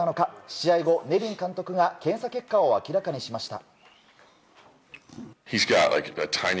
試合後、ネビン監督が検査結果を明らかにしました。